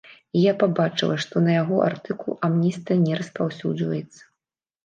І я пабачыла, што на яго артыкул амністыя не распаўсюджваецца.